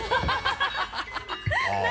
ハハハ